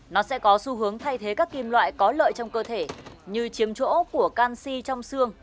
nó sẽ có xu hướng thay thế các kim loại có lợi trong cơ thể như chiếm chỗ của canxi trong xương